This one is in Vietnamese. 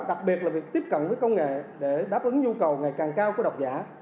đặc biệt là việc tiếp cận với công nghệ để đáp ứng nhu cầu ngày càng cao của độc giả